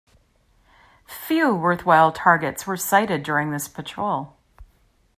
Few worthwhile targets were sighted during this patrol.